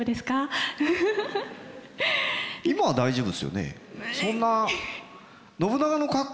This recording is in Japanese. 今は大丈夫ですよね？